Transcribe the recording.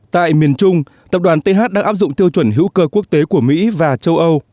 tại miền trung tập đoàn th đang áp dụng tiêu chuẩn hữu cơ quốc tế của mỹ và châu âu